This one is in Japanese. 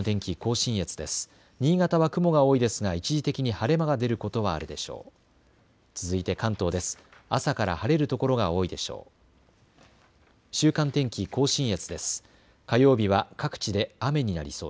新潟は雲が多いですが一時的に晴れ間が出ることはあるでしょう。